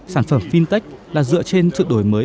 sản phẩm fintech là dựa trên sự đổi mới